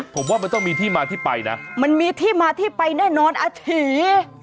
ผมว่ามันต้องมีที่มาที่ไปนะมันมีที่มาที่ไปแน่นอนอาถี